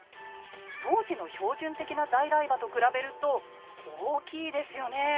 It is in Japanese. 当時の標準的な在来馬と比べると大きいですよねえ。